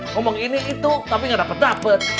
ngomong ini itu tapi gak dapet dapet